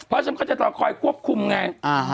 เพราะฉันก็จะต้องคอยควบคุมไง